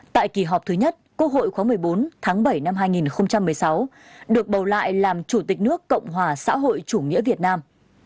tại kỳ họp thứ nhất quốc hội khóa một mươi bốn tháng bảy năm hai nghìn một mươi sáu được bầu lại làm chủ tịch nước cộng hòa xã hội chủ nghĩa việt nam